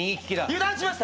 油断しましたね。